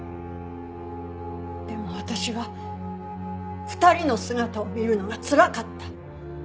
でも私は２人の姿を見るのがつらかった。